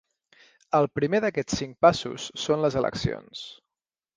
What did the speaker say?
El primer d’aquests cinc passos són les eleccions.